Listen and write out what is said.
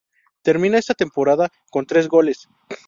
Termina esa temporada con tres goles.